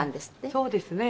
そうですね。